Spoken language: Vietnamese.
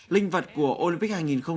linh vật của olympic hai nghìn hai mươi